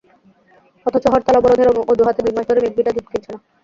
অথচ হরতাল-অবরোধের অজুহাতে দুই মাস ধরে মিল্ক ভিটা দুধ কিনছে না।